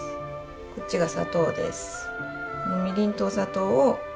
こっちが砂糖です。